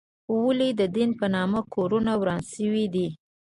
ولې د دین په نامه کورونه وران شوي دي؟